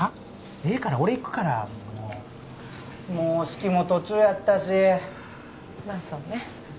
ええから俺行くからもうもう式も途中やったしまあそうね